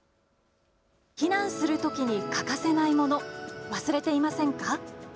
避難するときに欠かせないもの忘れていませんか？